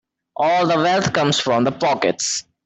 All the wealth comes from the pockets.